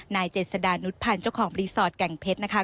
นายเจ็ดสดานุฏภัณฑ์เจ้าของรีสอร์ทแก่งเพชรนะคะ